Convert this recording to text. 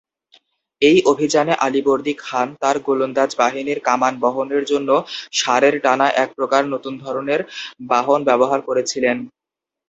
এই অভিযানে আলীবর্দী খান তার গোলন্দাজ বাহিনীর কামান বহনের জন্য ষাঁড়ের টানা এক প্রকার নতুন ধরনের বাহন ব্যবহার করেছিলেন।